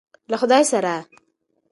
له خدای سره.